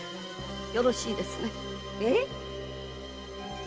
〔よろしいですねっ？〕